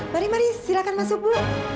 mari mari silahkan masuk bu